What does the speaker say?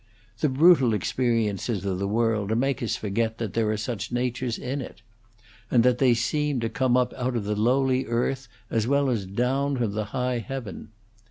The brutal experiences of the world make us forget that there are such natures in it, and that they seem to come up out of the lowly earth as well as down from the high heaven.